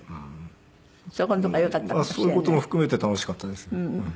そういう事も含めて楽しかったです。